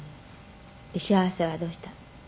「幸せはどうしたの？